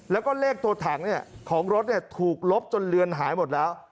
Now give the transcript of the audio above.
แล้วก็เลขตัวถังของรถถูกลบจนเลือนหายหมดแล้ว